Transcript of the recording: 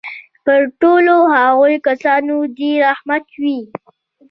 پر ټولو هغو کسانو دي رحمت وي.